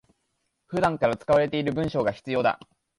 普段から使われている文章が必要だ